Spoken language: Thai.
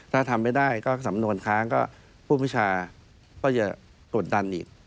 ถ้าทำไม่ได้ก็สำนวนค้างก็ผู้พิชาก็จะกดดันอีก